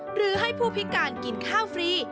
หรือให้ผู้พิการกินข้าวฟรี